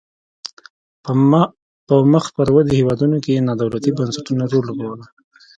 په مخ پر ودې هیوادونو کې نا دولتي بنسټونو رول لوبولای.